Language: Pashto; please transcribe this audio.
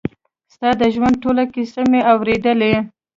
ستا د ژوند ټوله کيسه مې واورېدله.